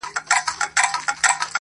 o خدایه چي د مرگ فتواوي ودروي نور.